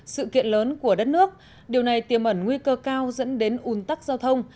sự kiện lớn của đất nước điều này tiềm ẩn nguy cơ cao dẫn đến ủn tắc giao thông